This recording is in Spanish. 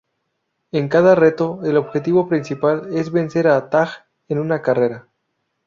En cada reto, el objetivo principal es vencer a Taj en una carrera.